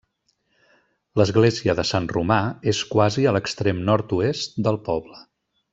L'església de Sant Romà és quasi a l'extrem nord-oest del poble.